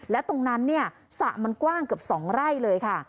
และตรงนั้นสระมันกว้างเกือบสองไร่เลยค่ะ